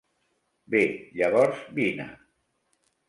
Bé, llavors vine.